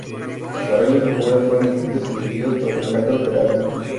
Los arreglos de cuerdas fueron escritos y dirigidos por Alejandro Terán.